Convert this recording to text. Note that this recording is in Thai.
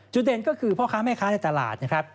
เด่นก็คือพ่อค้าแม่ค้าในตลาดนะครับ